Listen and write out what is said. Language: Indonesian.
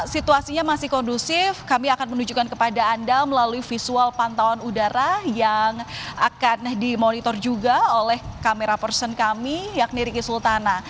situasinya masih kondusif kami akan menunjukkan kepada anda melalui visual pantauan udara yang akan dimonitor juga oleh kamera person kami yakni riki sultana